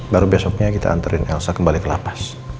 baru besoknya kita antarin elsa kembali ke lapas